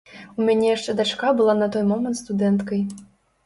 У мяне яшчэ дачка была на той момант студэнткай.